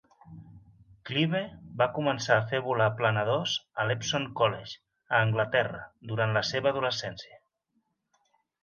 Clive va començar a fer volar planadors a l'Epsom College, a Anglaterra, durant la seva adolescència.